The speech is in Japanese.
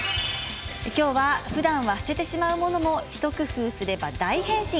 きょうは、ふだんは捨ててしまうものも一工夫すれば大変身。